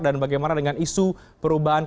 dan bagaimana dengan isu perubahan kondisi